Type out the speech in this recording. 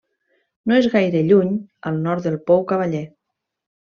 No és gaire lluny al nord del Pou Cavaller.